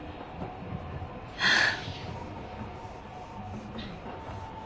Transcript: はあ。